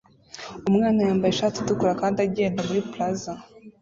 Umwana yambaye ishati itukura kandi agenda muri plaza